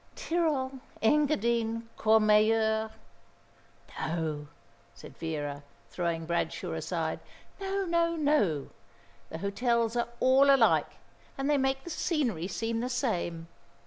"Tyrol, Engadine, Courmayeur? No," said Vera, throwing Bradshaw aside. "No, no, no. The hotels are all alike, and they make the scenery seem the same.